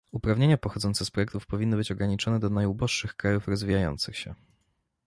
Uprawnienia pochodzące z projektów powinny być ograniczone do najuboższych krajów rozwijających się